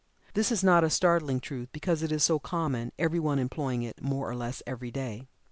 This is not a startling truth, because it is so common, everyone employing it more or less every day.